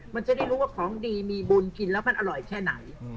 มันจะได้รู้ว่าของดีมีบุญกินแล้วมันอร่อยแค่ไหน